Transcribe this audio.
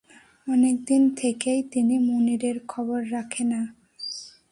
অনেক দিন থেকেই তিনি মুনিরের খবর রাখেন না।